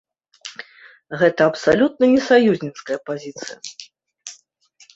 Гэта абсалютна не саюзніцкая пазіцыя.